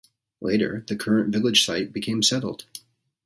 Later, the current village site became settled.